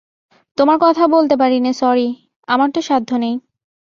তোমার কথা বলতে পারি নে সরি, আমার তো সাধ্য নেই।